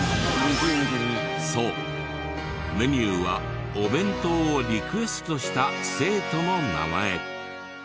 そうメニューはお弁当をリクエストした生徒の名前。